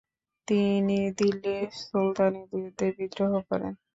তিনি দিল্লীর সুলতানের বিরুদ্ধে বিদ্রোহ করেন।